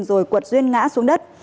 rồi cuột duyên ngã xuống đất